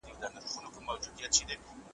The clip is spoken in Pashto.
قضاوت به د ظالم په ژبه کیږي `